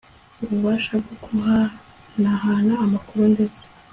ububasha bwo guhanahana amakuru ndetse